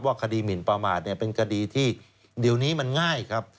คดีหมินประมาทเป็นคดีที่เดี๋ยวนี้มันง่ายครับ